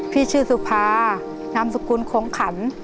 พี่ชื่อสุภานามสกุลโขงขัน